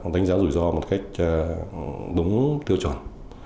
đánh giá rủi ro một cách đúng tiêu chuẩn